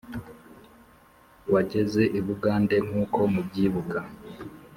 wageze i bugande nkuko mubyibuka